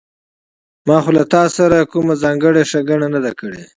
ما خو له تاسره کومه ځانګړې ښېګڼه نه ده کړې